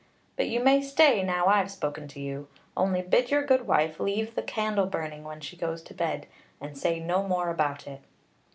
But you may stay, now I've spoken to you. Only bid your good wife leave the candle burning when she goes to bed, and say no more about it.'